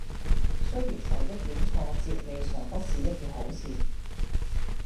雖然受一點挫折未嘗不是一件好事！